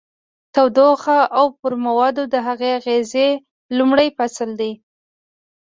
تودوخه او پر موادو د هغې اغیزې لومړی فصل دی.